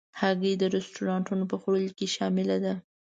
هګۍ د رستورانتو په خوړو کې شامل ده.